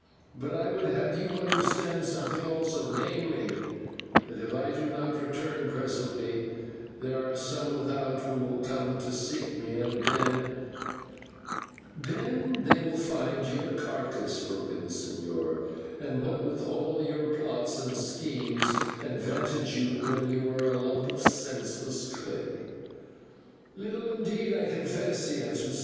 "But I would have you understand something also; namely, that if I do not return presently, there are some without who will come to seek me, and then " "And then they will find your carcase," broke in the señor, "and what will all your plots and schemes advantage you when you are a lump of senseless clay?" "Little indeed, I confess," he answered.